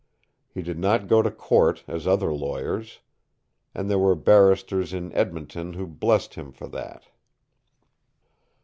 He did not go to court as other lawyers; and there were barristers in Edmonton who blessed him for that.